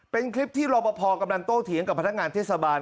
เป็นคลิปที่รอปภกำลังโตเถียงกับพนักงานเทศบาล